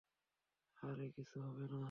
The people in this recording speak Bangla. আরে কিছু হবে না।